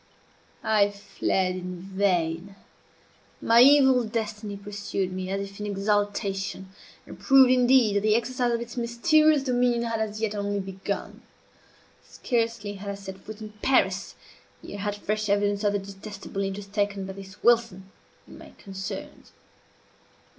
I fled in vain. My evil destiny pursued me as if in exultation, and proved, indeed, that the exercise of its mysterious dominion had as yet only begun. Scarcely had I set foot in Paris, ere I had fresh evidence of the detestable interest taken by this Wilson in my concerns.